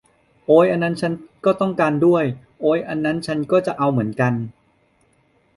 โอ๊ย อันนั้นฉันก็ต้องการด้วย โอ๊ย อันนั้นฉันก็จะเอาเหมือนกัน